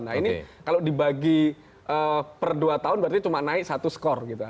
nah ini kalau dibagi per dua tahun berarti cuma naik satu skor gitu